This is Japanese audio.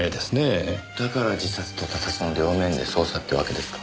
だから自殺と他殺の両面で捜査ってわけですか。